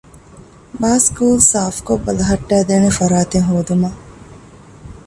ބާސްކޫލް ސާފްކޮށް ބަލަހައްޓައިދޭނެ ފަރާތެއް ހޯދުމަށް